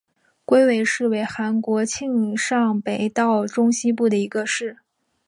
龟尾市为韩国庆尚北道中西部的一个市。